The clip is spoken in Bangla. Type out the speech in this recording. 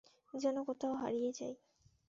যেন কোথাও হারিয়ে যাই।